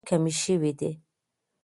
د جهيل اوبه کمې شوې دي.